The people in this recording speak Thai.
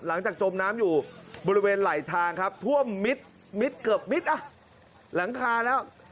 หลังจากจมน้ำอยู่บริเวณไหลทางครับท่วมมิตรเกือบมิตรหลังคาแล้ว